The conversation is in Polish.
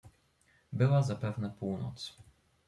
"Była zapewne północ."